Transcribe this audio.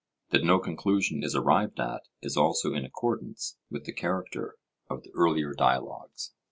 That no conclusion is arrived at is also in accordance with the character of the earlier dialogues.